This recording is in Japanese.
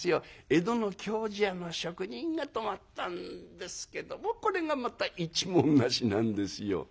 江戸の経師屋の職人が泊まったんですけどもこれがまた一文無しなんですよ。